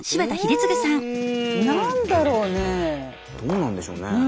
どうなんでしょうね。